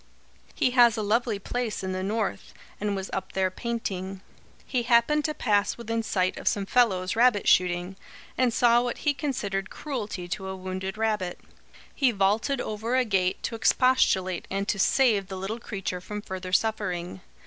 He has a lovely place in the North, and was up there painting. He happened to pass within sight of some fellows rabbit shooting, and saw what he considered cruelty to a wounded rabbit. He vaulted over a gate to expostulate and to save the little creature from further suffering.